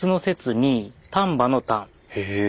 へえ。